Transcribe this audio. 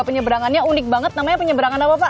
penyebrangannya unik banget namanya penyebrang apa pak